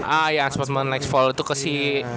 ah iya sportsman next fall itu ke si